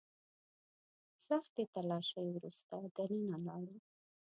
د سختې تلاشۍ وروسته دننه لاړو.